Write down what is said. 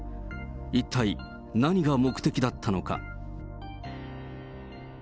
一体何が目的だったのか。